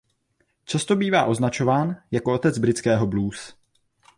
Často bývá označován jako „otec britského blues“.